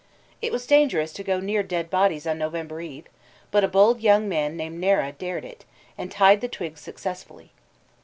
It was dangerous to go near dead bodies on November Eve, but a bold young man named Nera dared it, and tied the twigs successfully.